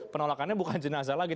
penolakannya bukan jenazah lagi